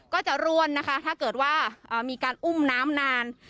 ก็จะร่วนนะคะถ้าเกิดว่ามีการอุ้มน้ำนาน